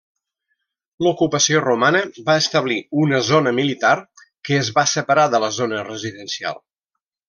L'ocupació romana va establir una zona militar que es va separar de la zona residencial.